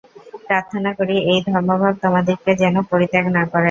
প্রার্থনা করি, এই ধর্মভাব তোমাদিগকে যেন পরিত্যাগ না করে।